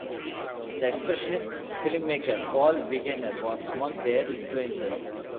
The Expressionist filmmaker Paul Wegener was among their influences.